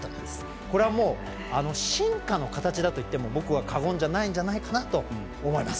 これは、進化の形だといっても僕は過言じゃないんじゃないかなと思います。